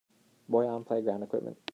Boy on playground equipment